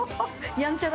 やんちゃだ。